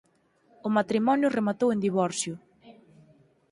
O matrimonio rematou en divorcio.